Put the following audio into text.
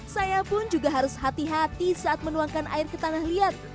saya pun juga harus hati hati saat menuangkan air ke tanah liat